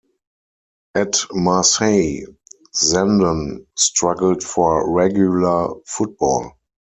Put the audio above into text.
At Marseille, Zenden struggled for regular football.